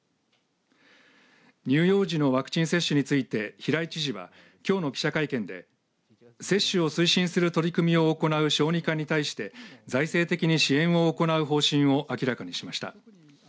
乳幼児のワクチン接種について平井知事は、きょうの記者会見で接種を推進する取り組みを行う小児科に対して財政的に支援を行う方針を明らかにしました。